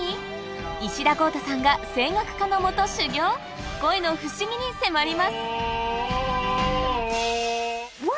石田剛太さんが声楽家のもと修業⁉声の不思議に迫りますああ。